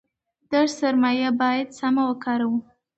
دا سرمایه باید سمه وکاروو.